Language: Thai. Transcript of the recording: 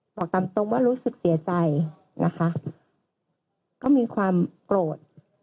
บอกตามตรงว่ารู้สึกเสียใจนะคะก็มีความโกรธ